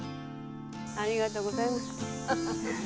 ありがとうございますハハ。